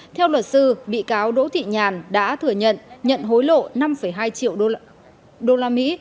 theo luật sư bị cáo đỗ thị nhàn đã thừa nhận nhận hối lộ năm hai triệu usd